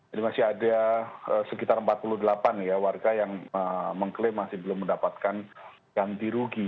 jadi masih ada sekitar empat puluh delapan warga yang mengklaim masih belum mendapatkan ganti rugi